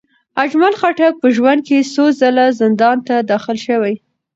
اجمل خټک په ژوند کې څو ځلې زندان ته داخل شوی.